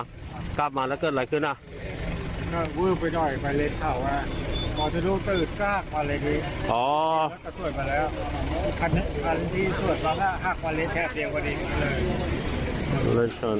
แล้วก็กลับมาแล้วเกิดอะไรขึ้นอ่ะเออผู้โดยไปเลยครับว่า